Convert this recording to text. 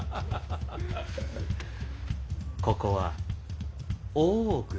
ここは大奥ぞ。